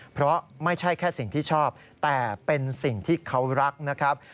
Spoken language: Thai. เพราะไม่ใช่แค่สิ่งที่ชอบแต่เป็นสิ่งที่เขารักนะครับ